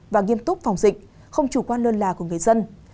và nghiêm túc phòng dịch không chủ quan lơ là của người dân